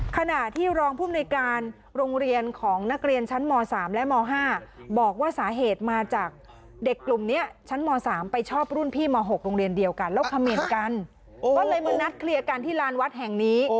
ขณะที่รองภูมิในการโรงเรียนของนักเรียนชั้นม๓และม๕บอกว่าสาเหตุมาจากเด็กกลุ่มนี้ชั้นม๓ไปชอบรุ่นพี่ม๖โรงเรียนเดียวกันแล้วเขม่นกันก็เลยมานัดเคลียร์กันที่ลานวัดแห่งนี้